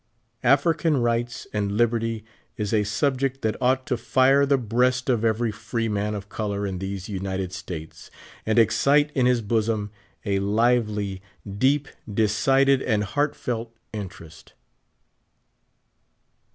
African rights and libertj" is a subject that ought to fire the breast of every free man of color in these United States, and excite in his bosom a lively, deep, decided, and heartfelt interest.